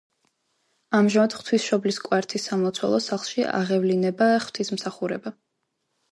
ამჟამად ღვთისმშობლის კვართის სამლოცველო სახლში აღევლინება ღვთისმსახურება.